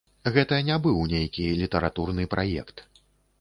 Гэта не быў нейкі літаратурны праект.